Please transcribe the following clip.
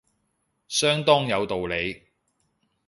相當有道理